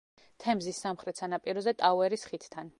თემზის სამხრეთ სანაპიროზე ტაუერის ხიდთან.